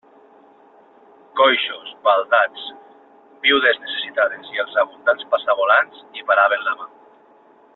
Coixos, baldats, viudes necessitades i els abundants passavolants, hi paraven la mà.